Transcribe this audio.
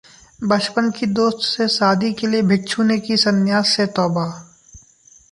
बचपन की दोस्त से शादी के लिए भिक्षु ने की संन्यास से तौबा